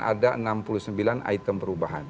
ada enam puluh sembilan item perubahan